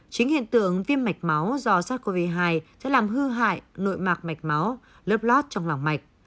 chính hiện tượng viêm mạch máu do sars cov hai sẽ làm hư hại nội mạc mạch máu lớt lót trong lòng mạch